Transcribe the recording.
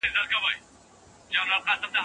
تر هغې کوڅې پورته ډېر ښایسته مرغان البوځي.